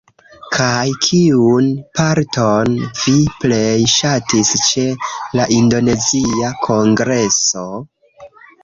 Kaj kiun parton vi plej ŝatis ĉe la indonezia kongreso?